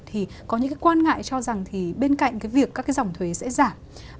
thì có những quan ngại cho rằng bên cạnh việc các dòng thuế sẽ giảm